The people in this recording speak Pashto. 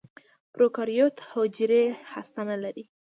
پروکاریوت حجرې هسته نه لري.